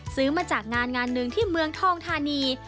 ซื้อมาจากงานงานหนึ่งที่เมืองทองธานี